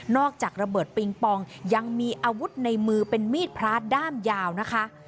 จากระเบิดปิงปองยังมีอาวุธในมือเป็นมีดพระด้ามยาวนะคะ